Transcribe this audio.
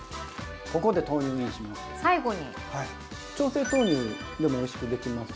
ここで豆乳をインします。